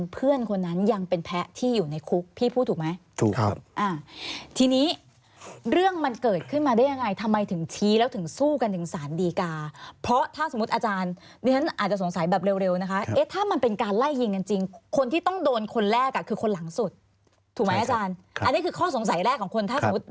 เพื่อนคนนั้นยังเป็นแพ้ที่อยู่ในคุกพี่พูดถูกไหมถูกครับทีนี้เรื่องมันเกิดขึ้นมาได้ยังไงทำไมถึงชี้แล้วถึงสู้กันถึงสารดีกาเพราะถ้าสมมุติอาจารย์ดิฉันอาจจะสงสัยแบบเร็วนะคะเอ๊ะถ้ามันเป็นการไล่ยิงกันจริงคนที่ต้องโดนคนแรกอ่ะคือคนหลังสุดถูกไหมอาจารย์อันนี้คือข้อสงสัยแรกของคนถ้าสมมุติ